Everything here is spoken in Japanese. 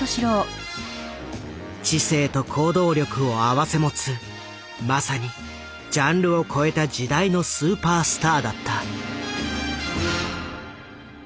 知性と行動力を併せ持つまさにジャンルを超えた時代のスーパースターだった。